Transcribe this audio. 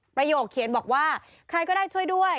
ประโยคเขียนบอกว่าใครก็ได้ช่วยด้วย